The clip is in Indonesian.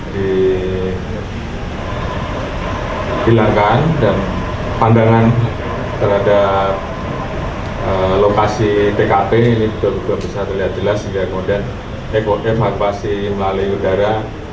dihilangkan dan pandangan terhadap lokasi tkp ini sudah bisa terlihat jelas sehingga kemudian evakuasi melalui udara